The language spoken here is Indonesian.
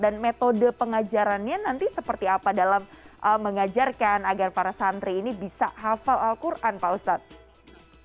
dan metode pengajarannya nanti seperti apa dalam mengajarkan agar para santri ini bisa hafal al quran pak ustadz